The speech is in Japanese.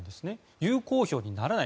有効票にならない。